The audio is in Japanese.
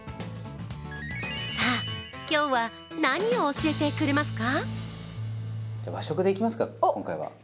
さぁ、今日は何を教えてくれますか？